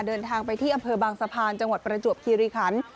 เดินทางไปที่อำเภอบางสะพานจังหวัดประจวบคิริคัน